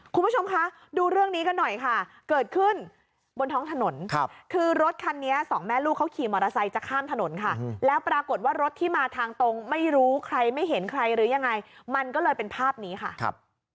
คุณผู้ชมคะดูเรื่องนี้กันหน่อยค่ะเกิดขึ้นบนท้องถนนคือรถคันนี้สองแม่ลูกเขาขี่มอเตอร์ไซค์จะข้ามถนนค่ะแล้วปรากฏว่ารถที่มาทางตรงไม่รู้ใครไม่เห็นใครหรือยังไงมันก็เลยเป็นภาพนี้ค่ะครับ